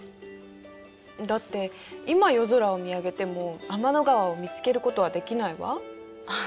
だって今夜空を見上げても天の川を見つけることはできないわ。